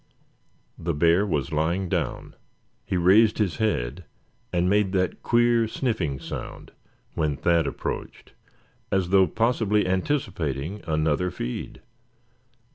The bear was lying down. He raised his head and made that queer sniffing sound when Thad approached, as though possibly anticipating another feed.